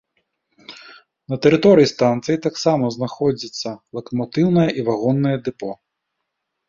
На тэрыторыі станцыі таксама знаходзяцца лакаматыўнае і вагоннае дэпо.